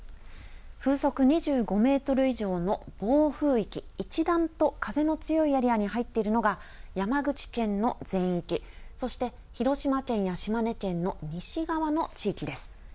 風速２５メートル以上の暴風域、一段と風の強いエリアに入っているのが山口県の全域、そして広島県や島根県の西側の地域です。